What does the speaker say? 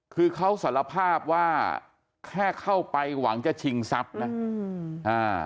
คือเขาสารภาพว่าแค่เข้าไปหวังจะชิงทรัพย์นะอืมอ่า